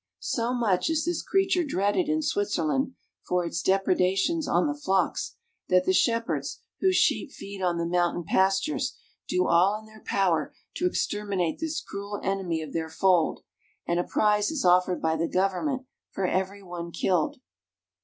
So much is this creature dreaded in Switzerland for its depredations on the flocks that the shepherds whose sheep feed on the mountain pastures do all in their power to exterminate this cruel enemy of their fold, and a prize is offered by the government for every one killed.